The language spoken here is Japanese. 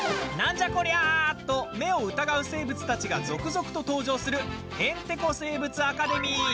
なんじゃこりゃ！と目を疑う生物たちが続々と登場する「へんてこ生物アカデミー」